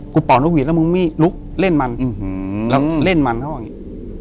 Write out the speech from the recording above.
กูเป่านกหวีดแล้วมึงไม่ลุกเล่นมันอือหือแล้วเล่นมันเขาก็แบบนี้